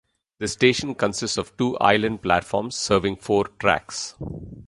The station consists of two island platforms serving four tracks.